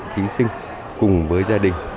thí sinh cùng với gia đình